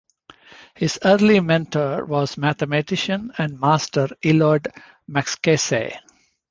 His early mentor was mathematician and master Elod Macskasy.